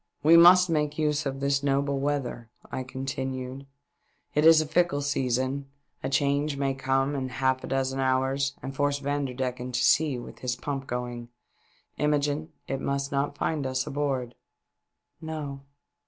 " We must make use of this noble weather," I continued ;" it is a fickle season, a change may come in half a dozen hours and force Vanderdecken to sea with his pump going. Imogene, it must not find us aboard." " No."